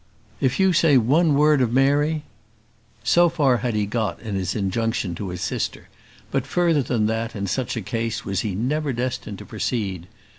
"If you say one word of Mary " So far had he got in his injunction to his sister, but further than that, in such a case, was he never destined to proceed.